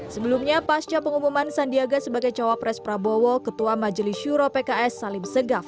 sebelumnya pasca pengumuman sandiaga sebagai cawapres prabowo ketua majelis syuro pks salim segaf